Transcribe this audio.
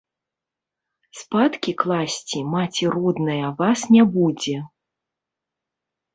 Спаткі класці маці родная вас не будзе.